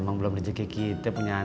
emang belum rejeki kita punya anak